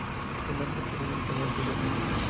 El nombre proviene del español "villa hermosa".